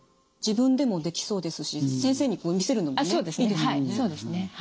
自分でもできそうですし先生にこう見せるのもねいいですよね。